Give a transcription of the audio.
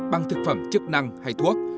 bằng thực phẩm chức năng hay thuốc